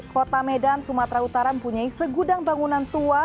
kota medan sumatera utara mempunyai segudang bangunan tua